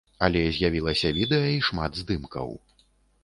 Але з'явілася відэа і шмат здымкаў.